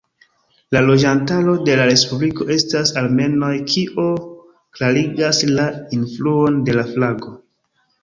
La loĝantaro de la respubliko estas armenoj kio klarigas la influon de la flago.